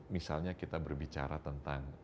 misalnya kita berbicara tentang